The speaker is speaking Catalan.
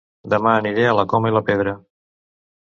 Dema aniré a La Coma i la Pedra